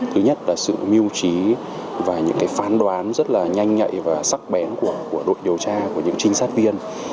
thứ nhất là sự mưu trí và những phán đoán rất là nhanh nhạy và sắc bén của đội điều tra của những trinh sát viên